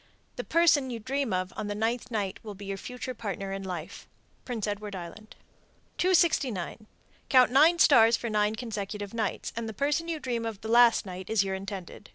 The person you dream of on the ninth night will be your future partner in life. Prince Edward Island. 269. Count nine stars for nine consecutive nights, and the person you dream of the last night is your intended.